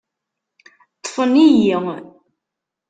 Ṭṭfen-iyi.